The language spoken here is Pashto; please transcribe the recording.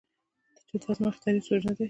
چې دا زما اختياري سوچ نۀ دے